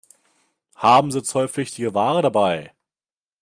Haben Sie zollpflichtige Ware dabei?